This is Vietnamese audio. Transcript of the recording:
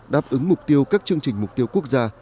đáp ứng mục tiêu các chương trình mục tiêu quốc gia